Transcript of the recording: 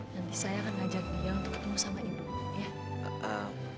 nanti saya akan ngajak dia untuk ketemu sama ibu ya